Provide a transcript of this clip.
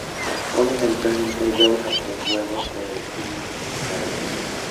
Ponen habitualmente dos o tres huevos, pero pueden llegar a seis.